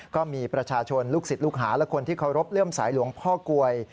ก็มีประชาชนลูกศิษย์ลูกหาและคนที่เคารพเลื่อมสายหลวงพ่อกลวย